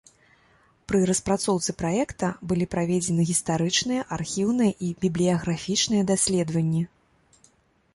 Пры распрацоўцы праекта былі праведзены гістарычныя, архіўныя і бібліяграфічныя даследаванні.